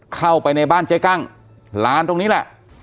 เข้าไปในบ้านเจ๊กั้งร้านตรงนี้แหละ